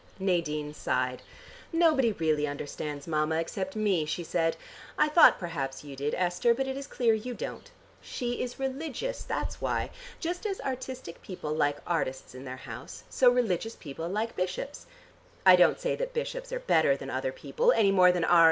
Nadine sighed. "Nobody really understands Mama except me," she said. "I thought perhaps you did, Esther, but it is clear you don't. She is religious, that's why. Just as artistic people like artists in their house, so religious people like bishops. I don't say that bishops are better than other people, any more than R.